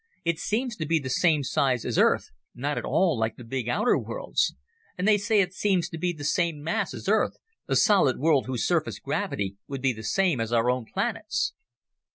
It seems to be the same size as Earth not at all like the big outer worlds. And they say it seems to be the same mass as Earth a solid world whose surface gravity would be the same as our own planet's."